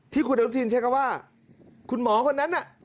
ที่คุณอนุทินใช้คำว่าคุณหมอคนนั้นน่ะ